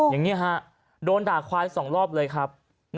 อย่างนี้ฮะโดนด่าควาย๒รอบเลยครับ